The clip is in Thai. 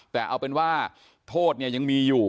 แต่เอาเป็นว่าโทษเนี่ยยังมีอยู่